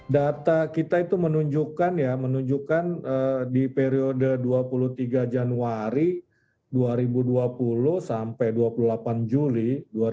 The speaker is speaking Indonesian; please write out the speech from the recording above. data kita itu menunjukkan ya menunjukkan di periode dua puluh tiga januari dua ribu dua puluh sampai dua puluh delapan juli dua ribu dua puluh